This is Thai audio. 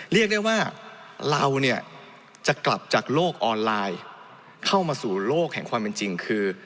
เรียกได้ว่าเราเนี่ยจะกลับจากโลกออนไลน์เข้ามาสู่โลกแห่งความเป็นจริงคือ